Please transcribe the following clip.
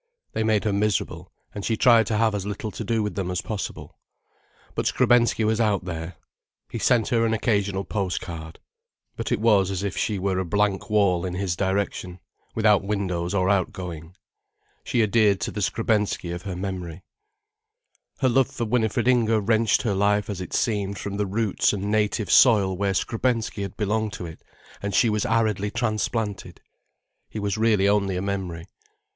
They made her miserable, and she tried to have as little to do with them as possible. But Skrebensky was out there. He sent her an occasional post card. But it was as if she were a blank wall in his direction, without windows or outgoing. She adhered to the Skrebensky of her memory. Her love for Winifred Inger wrenched her life as it seemed from the roots and native soil where Skrebensky had belonged to it, and she was aridly transplanted. He was really only a memory.